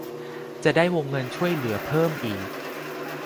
จะได้วงเงินช่วยเหลือเพิ่มอีก